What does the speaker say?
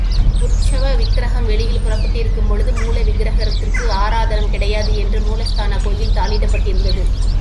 உற்சவ விக்கிரஹம் வெளியில் புறப்பட்டிருக்கும்பொழுது, மூல விக்ரஹத்திற்கு ஆராதனம் கிடையாது என்று மூலஸ்தான கோயில் தாளிடப்பட்டிருந்தது!